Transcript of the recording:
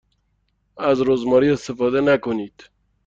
از رزماری استفاده نکنید.